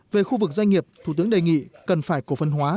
về khu vực doanh nghiệp thủ tướng đề nghị cần phải cổ phân hóa